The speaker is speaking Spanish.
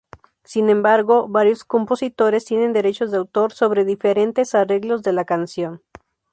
Sin embargo, varios compositores tienen derechos de autor sobre diferentes arreglos de la canción.